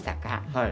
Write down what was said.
はい。